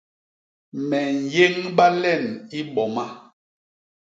Me nyéñba len i boma.